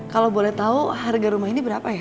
kalo boleh tau harga rumah ini berapa ya